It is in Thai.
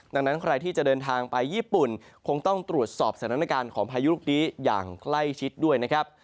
ดังนั้นใครที่จะเดินทางไปญี่ปุ่นคงต้องตรวจสอบสถานการณ์ของพายุลูกนี้อย่างใกล้ชิดด้วยนะครับ